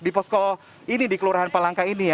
di posko ini di kelurahan palangka ini ya